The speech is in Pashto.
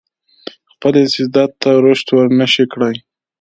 خپل استعداد ته رشد ورنه شي کړای.